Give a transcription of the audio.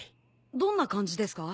どんな感じですか？